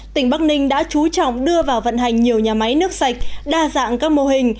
tỉnh bắc ninh đã chú trọng đưa vào vận hành nhiều nhà máy nước sạch đa dạng các mô hình